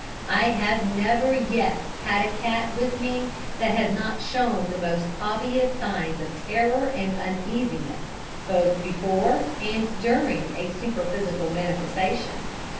I have never yet had a cat with me that has not shown the most obvious signs of terror and uneasiness both before and during a superphysical manifestation.